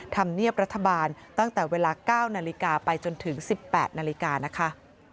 ธรรมเนียบรัฐบาลตั้งแต่เวลา๙นาฬิกาไปจนถึง๑๘นาฬิกานะคะ